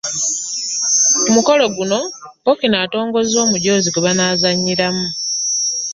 Ku mukolo guno Ppookino atongozza omujoozi gwe banaazannyiramu